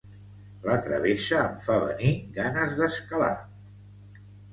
La Travessa em fa venir ganes d'escalar.